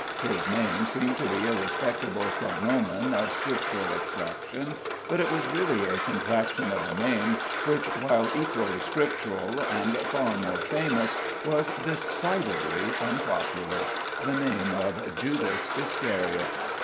His name seemed to be a respectable cognomen of Scriptural extraction, but it was really a contraction of a name which, while equally Scriptural and far more famous, was decidedly unpopular the name of Judas Iscariot.